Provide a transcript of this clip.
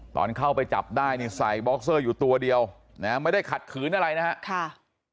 ตอนเข้าไปจับได้นี่ใส่บ็อกเซอร์อยู่ตัวเดียวนะฮะไม่ได้ขัดขืนอะไรนะครับ